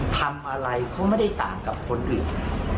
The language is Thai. ทำอะไรเขาไม่ได้ต่างกับคนอื่น